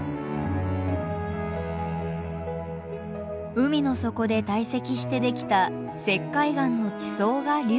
海の底で堆積してできた石灰岩の地層が隆起。